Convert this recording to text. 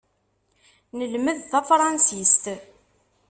Nelmed tafṛansist.